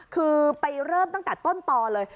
คือไปเริ่มตั้งแต่ต้นตอเลย